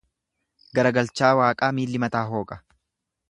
Garagalcha waaqaa milli mataa hooqa.